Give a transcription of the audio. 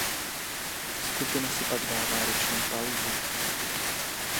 Skupina si pak dává roční pauzu.